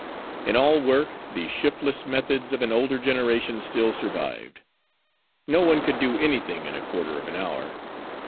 In all work the shiftless methods of an older generation still survived. No one could do anything in a quarter of an hour.